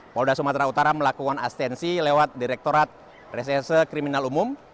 polda sumatera utara melakukan atensi lewat direktorat resese kriminal umum